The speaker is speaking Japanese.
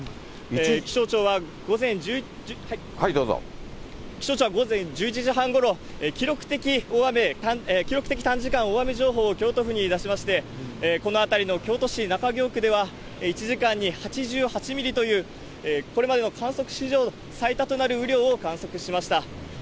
気象庁は午前１１時半ごろ、記録的短時間大雨情報を京都府に出しまして、この辺りの京都市中京区では、１時間に８８ミリという、これまでの観測史上最多となる雨量を観測しました。